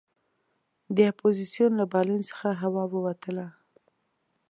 د اپوزیسون له بالون څخه هوا ووتله.